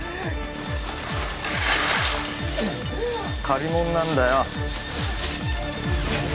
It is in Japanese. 借りものなんだよ